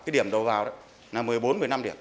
điểm đầu vào là một mươi bốn một mươi năm điểm